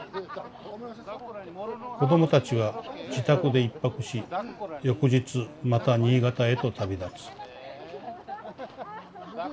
「子どもたちは自宅で一泊し翌日また新潟へと旅立つ」。